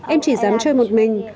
em chỉ dám chơi một mình